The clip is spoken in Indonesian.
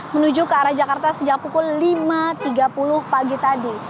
menuju ke arah jakarta sejak pukul lima tiga puluh pagi tadi